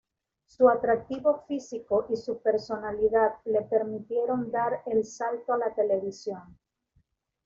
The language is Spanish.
Su atractivo físico y su personalidad le permitieron dar el salto a la televisión.